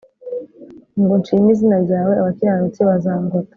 ngo nshime izina ryawe abakiranutsi bazangota